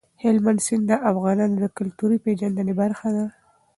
هلمند سیند د افغانانو د کلتوري پیژندنې برخه ده.